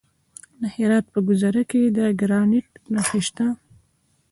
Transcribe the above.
د هرات په ګذره کې د ګرانیټ نښې شته.